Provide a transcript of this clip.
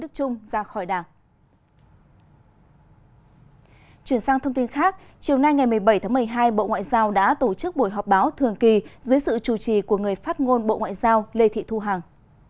chuyển sang thông tin khác chiều nay ngày một mươi bảy tháng một mươi hai bộ ngoại giao đã tổ chức buổi họp báo thường kỳ dưới sự chủ trì của người phát ngôn bộ ngoại giao lê thị thu hằng